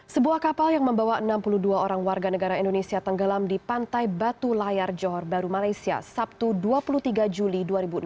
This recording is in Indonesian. sebuah kapal yang membawa enam puluh dua orang warga negara indonesia tenggelam di pantai batu layar johor baru malaysia sabtu dua puluh tiga juli dua ribu enam belas